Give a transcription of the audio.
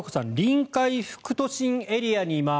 臨海副都心エリアにいます。